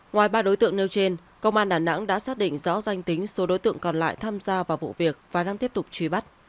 ngoài ba đối tượng nêu trên công an đà nẵng đã xác định rõ danh tính số đối tượng còn lại tham gia vào vụ việc và đang tiếp tục truy bắt